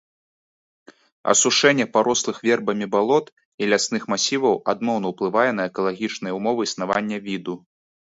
Асушэнне парослых вербамі балот і лясных масіваў адмоўна ўплывае на экалагічныя ўмовы існавання віду.